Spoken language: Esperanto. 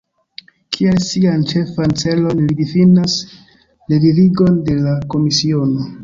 Kiel sian ĉefan celon li difinas revivigon de la komisiono.